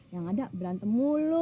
yang ada berantem mulu